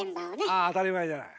あ当たり前じゃない。